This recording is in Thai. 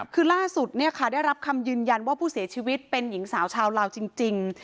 คือล่าสุดได้รับคำยืนยันว่าผู้เสียชีวิตเป็นหญิงสาวชาวลาวจริง